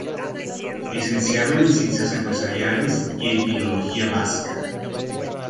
Licenciado en Ciencias Empresariales y en Filología vasca.